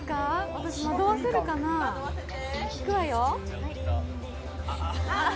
私、惑わせるかな、いくわよ。